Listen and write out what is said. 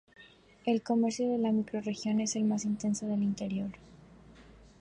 El comercio en la microrregión es el más intenso del interior.